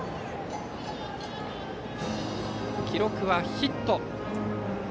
記録はヒット。